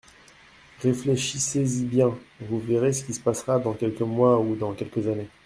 Réfléchissez-y bien : vous verrez ce qui se passera dans quelques mois ou dans quelques années.